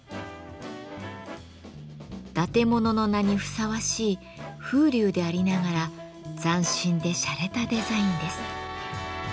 伊達者の名にふさわしい風流でありながら斬新でシャレたデザインです。